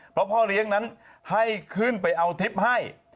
เพราะพ่อเลี้ยงนั้นให้ขึ้นไปเอาทริปให้